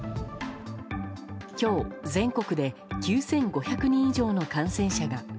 今日、全国で９５００人以上の感染者が。